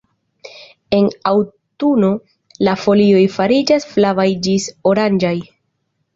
En aŭtuno la folioj fariĝas flavaj ĝis oranĝaj.